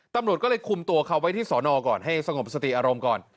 ตำรวจก็เลยคุมตัวเขาไว้ที่สอนอก่อนให้สงบสติอารมณ์ก่อน